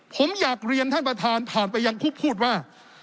ผมอยากเรียนท่านประธานผ่านไปยังคุกพูดว่า